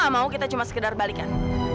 gak mau kita cuma sekedar balikan